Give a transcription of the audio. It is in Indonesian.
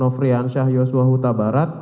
nofriansyah yosua huta barat